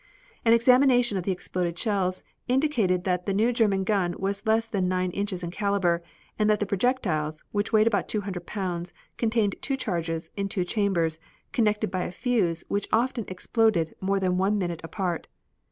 An examination of exploded shells indicated that the new German gun was less than nine inches in caliber, and that the projectiles, which weighed about two hundred pounds, contained two charges, in two chambers connected by a fuse which often exploded more than a minute apart.